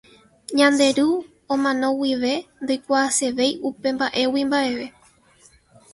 Ñande ru omano guive ndoikuaasevéi upemba'égui mba'eve.